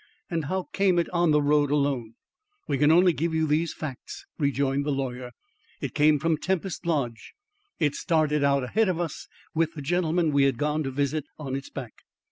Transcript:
"And how came it on the road alone?" "We can only give you these facts," rejoined the lawyer. "It came from Tempest Lodge. It started out ahead of us with the gentleman we had gone to visit on its back.